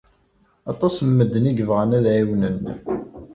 Aṭas n medden i yebɣan ad ɛiwnen.